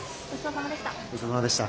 ごちそうさまでした。